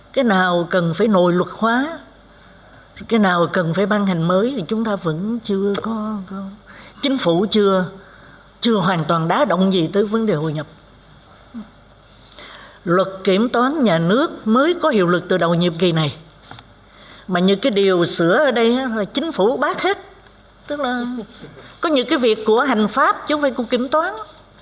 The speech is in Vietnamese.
có những cái việc của hành pháp chứ không phải của kiểm toán